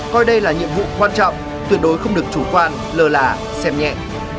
coi đây là nhiệm vụ quan trọng tuyệt đối không được chủ quan lờ là xem nhẹ